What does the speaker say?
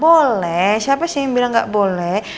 boleh siapa sih yang bilang nggak boleh